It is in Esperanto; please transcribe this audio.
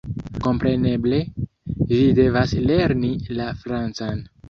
Kompreneble, vi devas lerni la francan!